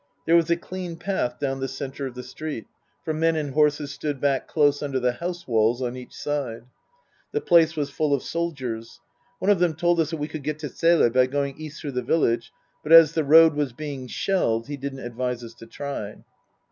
There was a clean path down the centre of the street, for men and horses stood back close under the house walls on each side. The place was full of soldiers. One of them told us that we could get to Zele by going east through the village, but as the road was being shelled, he didn't advise us to try.